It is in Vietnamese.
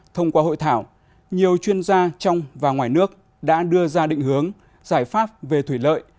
thông qua hội thảo nhiều chuyên gia trong và ngoài nước đã đưa ra định hướng giải pháp về thủy lợi